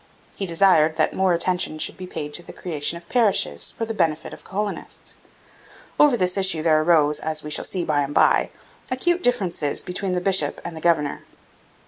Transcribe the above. He desired that more attention should be paid to the creation of parishes for the benefit of the colonists. Over this issue there arose, as we shall see by and by, acute differences between the bishop and the governor.